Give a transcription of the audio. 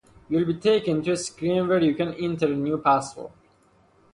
You’ll be taken to a screen where you can enter a new password.